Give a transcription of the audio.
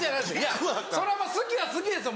そりゃまぁ好きは好きですよ